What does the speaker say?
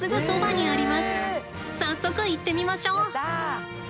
早速行ってみましょう！